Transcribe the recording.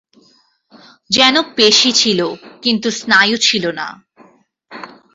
যেন পেশী ছিল, কিন্তু স্নায়ু ছিল না।